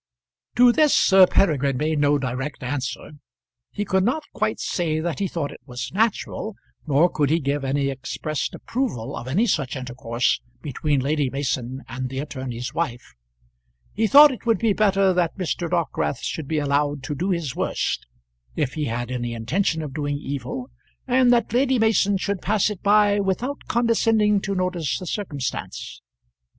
To this Sir Peregrine made no direct answer. He could not quite say that he thought it was natural, nor could he give any expressed approval of any such intercourse between Lady Mason and the attorney's wife. He thought it would be better that Mr. Dockwrath should be allowed to do his worst, if he had any intention of doing evil, and that Lady Mason should pass it by without condescending to notice the circumstance.